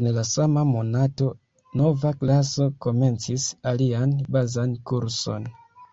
En la sama monato, nova klaso komencis alian bazan kurson.